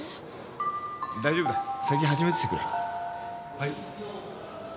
はい。